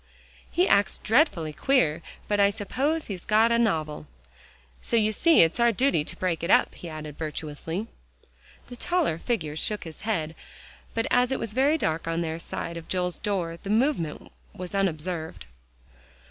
"He acts dreadfully queer, but I suppose he's got a novel. So you see it's our duty to break it up," he added virtuously. The taller figure shook his head, but as it was very dark on their side of Joel's door, the movement was unobserved.